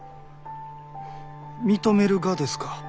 認めるがですか？